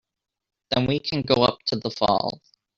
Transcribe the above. Then we can go up to the falls.